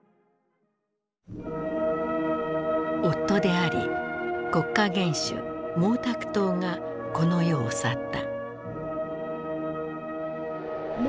夫であり国家元首毛沢東がこの世を去った。